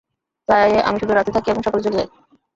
তাই, আমি শুধু রাতে থাকি এবং সকালে চলে যাই।